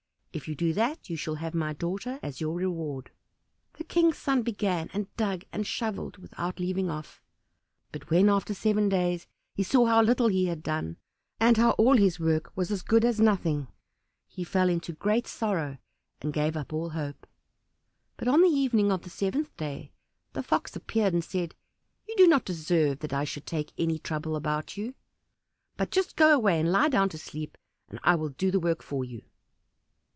If you do that you shall have my daughter as your reward." The King's son began, and dug and shovelled without leaving off, but when after seven days he saw how little he had done, and how all his work was as good as nothing, he fell into great sorrow and gave up all hope. But on the evening of the seventh day the Fox appeared and said, "You do not deserve that I should take any trouble about you; but just go away and lie down to sleep, and I will do the work for you."